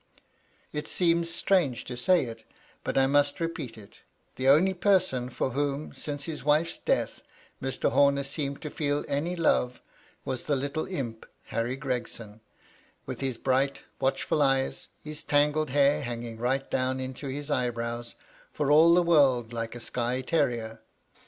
It seems strange to say it, but I must repeat it — the only person for whom, since his wife's death, Mr. Homer seemed to feel any love, was the little imp Harry Gregson, with his bright, watchful eyes, his tangled hair hanging right down to his eyebrows, for all the world like a Skye terrier.